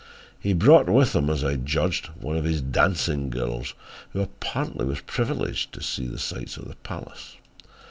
He brought with him, as I judged, one of his dancing girls, who apparently was privileged to see the sights of the palace.